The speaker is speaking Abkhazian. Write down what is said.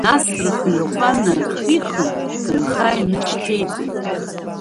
Нас рыхҩақәа нархихын ганха ины-шьҭеиҵеит.